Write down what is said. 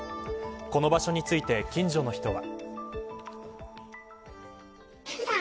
この場所について、近所の人は。